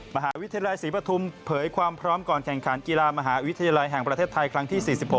มหาวิทยาลัยศรีปฐุมเผยความพร้อมก่อนแข่งขันกีฬามหาวิทยาลัยแห่งประเทศไทยครั้งที่๔๖